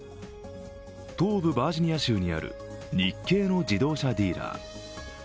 東部バージニア州にある日系の自動車ディーラー。